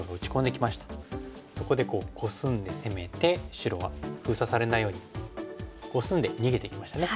そこでコスんで攻めて白は封鎖されないようにコスんで逃げていきましたね。